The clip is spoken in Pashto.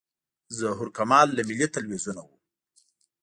ظهور کمال له ملي تلویزیون و.